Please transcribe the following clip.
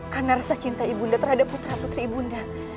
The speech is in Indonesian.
karena rasa cinta ibu nda terhadap putra putri ibu nda